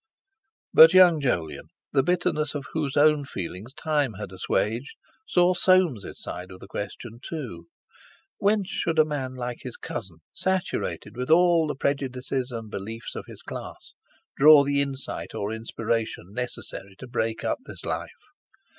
But young Jolyon, the bitterness of whose own feelings time had assuaged, saw Soames's side of the question too. Whence should a man like his cousin, saturated with all the prejudices and beliefs of his class, draw the insight or inspiration necessary to break up this life?